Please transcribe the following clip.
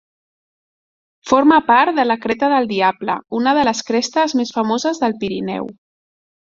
Forma part de la creta del Diable, una de les crestes més famoses del Pirineu.